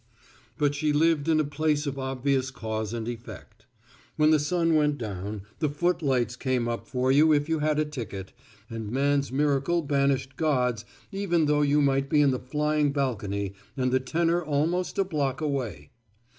But she lived in a place of obvious cause and effect. When the sun went down, the footlights came up for you if you had a ticket, and man's miracle banished God's even though you might be in the flying balcony and the tenor almost a block away.